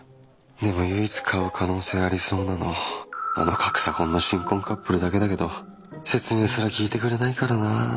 でも唯一買う可能性ありそうなのあの格差婚の新婚カップルだけだけど説明すら聞いてくれないからなあ。